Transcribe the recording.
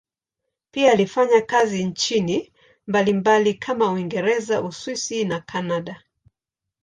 Pia alifanya kazi nchini mbalimbali kama Uingereza, Uswisi na Kanada.